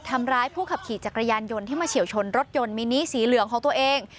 ทำร้ายผู้ขับขี่จักรยานยนต์ที่มาเฉียวชนรถยนต์มินิสีเหลืองของตัวเอง